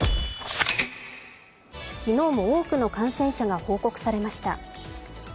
昨日も多くの感染者が報告されました。